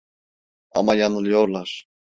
Ama yanılıyorlar.